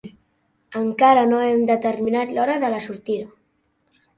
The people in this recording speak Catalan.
Encara no hem determinat l'hora de la sortida.